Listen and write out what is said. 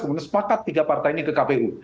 kemudian sepakat tiga partai ini ke kpu